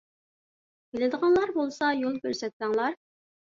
بىلىدىغانلار بولسا يول كۆرسەتسەڭلار.